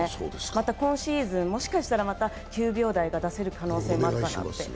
また今シーズン、もしかしたらまた９秒台を出せる可能性もあったかなって。